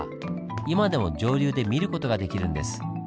今でも上流で見る事ができるんです。